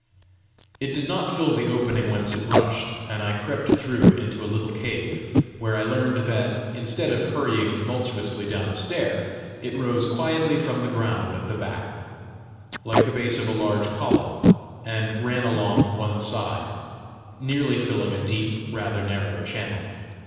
It did not fill the opening whence it rushed, and I crept through into a little cave, where I learned that, instead of hurrying tumultuously down a stair, it rose quietly from the ground at the back like the base of a large column, and ran along one side, nearly filling a deep, rather narrow channel.